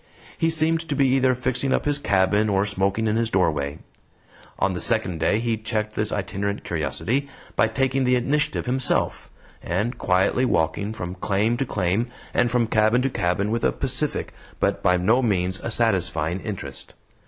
He seemed to be either fixing up his cabin or smoking in his doorway. On the second day he checked this itinerant curiosity by taking the initiative himself, and quietly walking from claim to claim and from cabin to cabin with a pacific but by no means a satisfying interest.